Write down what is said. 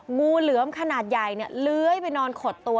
งูเหลือมขนาดใหญ่เนี่ยเลื้อยไปนอนขดตัว